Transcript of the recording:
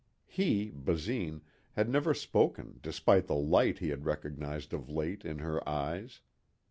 He, Basine, had never spoken despite the light he had recognized of late in her eyes.